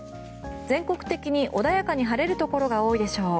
全国的に穏やかに晴れるところが多いでしょう。